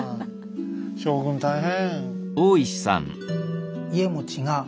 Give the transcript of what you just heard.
将軍大変！